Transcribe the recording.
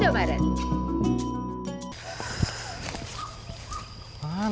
saya kembali ke kebucharan